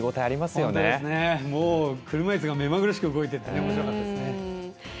車いすが目まぐるしく動いていっておもしろかったですね。